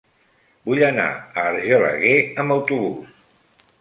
Vull anar a Argelaguer amb autobús.